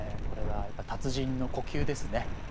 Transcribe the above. これがやっぱり達人の呼吸ですね。